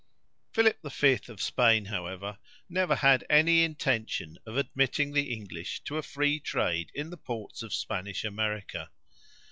Philip V. of Spain, however, never had any intention of admitting the English to a free trade in the ports of Spanish America.